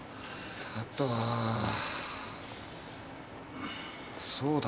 あとはそうだ。